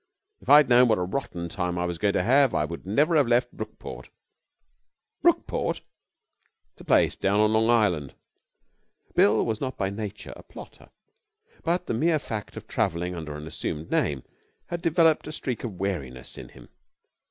If I had known what a rotten time I was going to have I would never have left Brookport.' 'Brookport!' 'It's a place down on Long Island.' Bill was not by nature a plotter, but the mere fact of travelling under an assumed name had developed a streak of wariness in him.